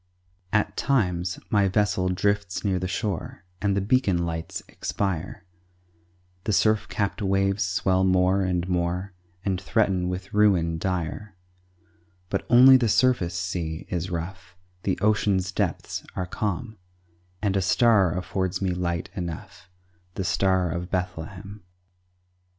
At times my vessel drifts near the shore, And the beacon lights expire, The surf capped waves swell more and more, And threaten with ruin dire; But only the surface sea is rough; The ocean's depths are calm, And a star affords me light enough, The Star of Bethlehem.